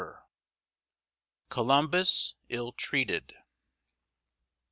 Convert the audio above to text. COLUMBUS ILLTREATED.